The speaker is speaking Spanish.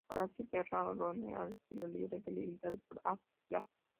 Horacio Terra Arocena, al espacio libre delimitado por la Avda. Gral.